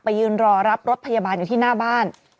ยืนรอรับรถพยาบาลอยู่ที่หน้าบ้าน